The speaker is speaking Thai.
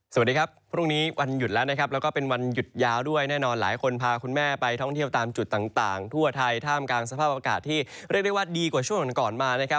สวัสดีครับพรุ่งนี้วันหยุดแล้วนะครับแล้วก็เป็นวันหยุดยาวด้วยแน่นอนหลายคนพาคุณแม่ไปท่องเที่ยวตามจุดต่างทั่วไทยท่ามกลางสภาพอากาศที่เรียกได้ว่าดีกว่าช่วงก่อนมานะครับ